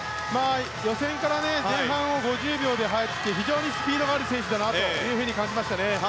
予選から前半を５０秒で入って非常にスピードがある選手だなと感じましたね。